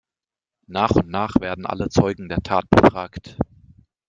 Nach und nach werden alle Zeugen der Tat befragt.